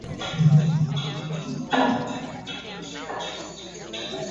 The main landscapes are travertine banks, colorful ponds and travertine waterfalls and caves.